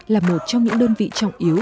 là một trong những đơn vị trọng yếu